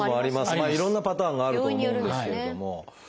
いろんなパターンがあると思うんですけれども。